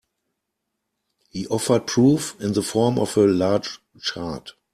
He offered proof in the form of a large chart.